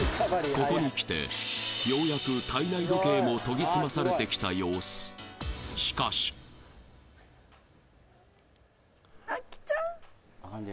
ここにきてようやく体内時計も研ぎ澄まされてきた様子しかしあっ！